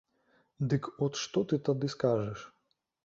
Дык от што ты тады скажаш?